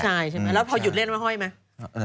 ใช่ใช่ไหมแล้วพอหยุดเล่นมาห้อยไหม